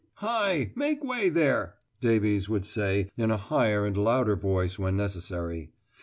"Hi! make way there!" Davies would say in a higher and louder voice when necessary.